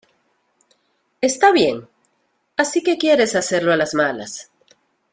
Está bien. Así que quieres hacerlo a las malas ...